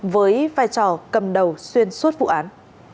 với vai trò cầm đầu xuyên suốt vụ án